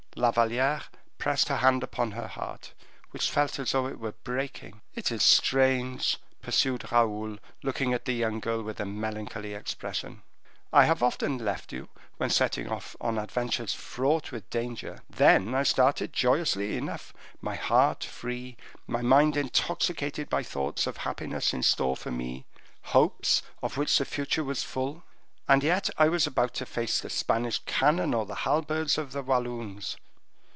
La Valliere pressed her hand upon her heart, which felt as though it were breaking. "It is strange," pursued Raoul, looking at the young girl with a melancholy expression; "I have often left you when setting off on adventures fraught with danger. Then I started joyously enough my heart free, my mind intoxicated by thoughts of happiness in store for me, hopes of which the future was full; and yet I was about to face the Spanish cannon, or the halberds of the Walloons.